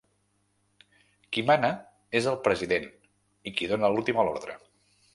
Qui mana és el president i qui dóna l’última ordre.